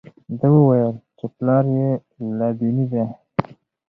ده وویل چې پلار یې لادیني دی.